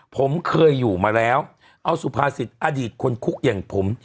ผมเคยอยู่มาแล้วเอาสุภาษิตอดีตคนคุกอย่างผม